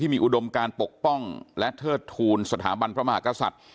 มีอุดมการปกป้องและเทิดทูลสถาบันพระมหากษัตริย์